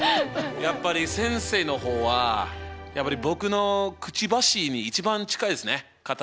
やっぱり先生の方は僕のくちばしに一番近いっすね形。